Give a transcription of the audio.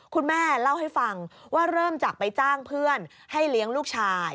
คุณแม่เล่าให้ฟังว่าเริ่มจากไปจ้างเพื่อนให้เลี้ยงลูกชาย